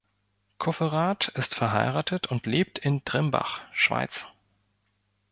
Kufferath ist verheiratet und lebt in Trimbach, Schweiz.